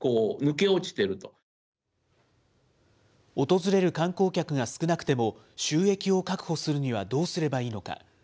訪れる観光客が少なくても、収益を確保するにはどうすればいいのか。